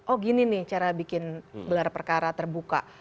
oh gini nih cara bikin gelar perkara terbuka